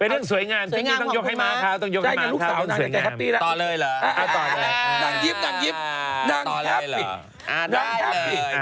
ไปเรื่องสวยงามว่าตำกรุงต้องลงเท้ามังขาวสวยงามในเรื่องสวยงามของคุณมั้ย